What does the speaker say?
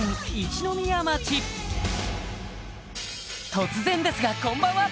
突然ですがこんばんは！